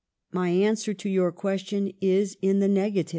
My answer to your question is in the nega tive."